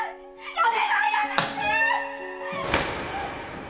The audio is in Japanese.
お願いやめて！！